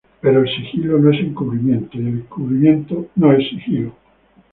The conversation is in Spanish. Pero el sigilo no es encubrimiento, y el encubrimiento no es sigilo.